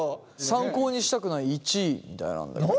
参考にしたくない１位みたいなんだけど。